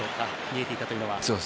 見えていたというのは。